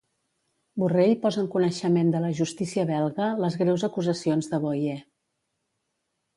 Borrell posa en coneixement de la justícia belga les greus acusacions de Boye.